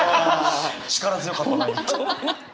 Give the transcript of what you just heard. あ力強かった。